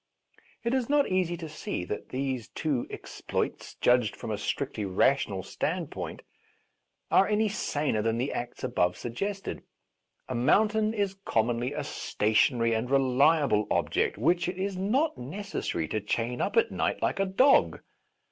It is not easy to see that these two ex ploits, judged from a strictly rational stand point, are any saner than the acts above suggested. A mountain is commonly a stationary and reliable object which it is not necessary to chain up at night like a dog.